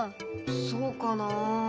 そうかな。